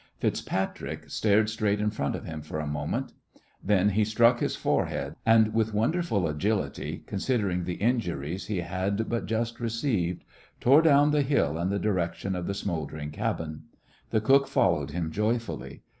FitzPatrick stared straight in front of him for a moment. Then he struck his forehead, and with wonderful agility, considering the injuries he had but just received, tore down the hill in the direction of the smouldering cabin. The cook followed him joyfully.